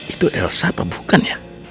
itu elsa apa bukan ya